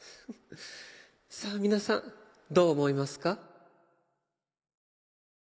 さあ皆さんどう思いますか？